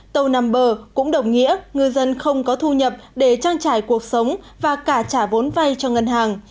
tàu nằm bờ cũng đồng nghĩa ngư dân không có thu nhập để trang trải cuộc sống và cả trả vốn vay cho ngân hàng